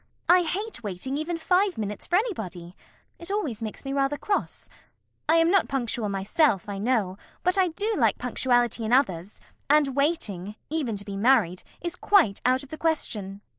I hate waiting even five minutes for anybody. It always makes me rather cross. I am not punctual myself, I know, but I do like punctuality in others, and waiting, even to be married, is quite out of the question. ALGERNON.